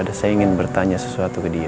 dan saya ingin bertanya sesuatu ke dia